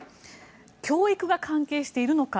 教育が関係しているのか。